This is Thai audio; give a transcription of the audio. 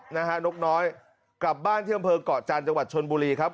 นกน้อยกลับบ้านเที่ยวเมืองเกาะจานจังหวัดชนบุรีครับ